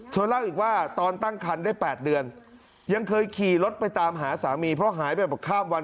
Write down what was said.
เธอเล่าอีกว่าตอนตั้งคันได้๘เดือนยังเคยขี่รถไปตามหาสามีเพราะหายไปแบบข้ามวัน